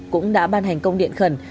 cũng đã ban hành công điện khẩn